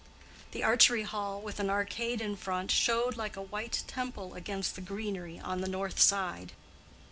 The Archery Hall with an arcade in front showed like a white temple against the greenery on the north side.